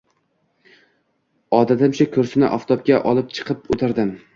Odatimcha, kursini oftobga olib chiqib, o`tirdim